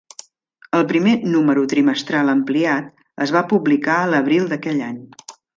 El primer número trimestral ampliat es va publicar a l'abril d'aquell any.